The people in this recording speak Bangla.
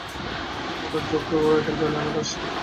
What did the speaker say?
ওরা এখন জানে আমরা আসছি।